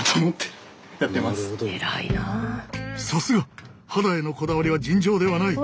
さすが肌へのこだわりは尋常ではない。